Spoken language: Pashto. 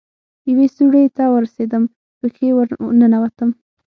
يوې سوړې ته ورسېدم پکښې ورننوتم.